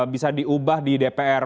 bisa diubah di dpr